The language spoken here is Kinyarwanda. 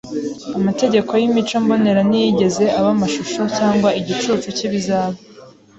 Amategeko y’imico mbonera ntiyigeze aba ishusho cyangwa igicucu cy’ibizaba.